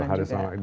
betul harus ramah